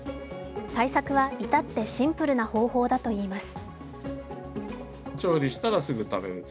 対策は至ってシンプルな方法だといいます。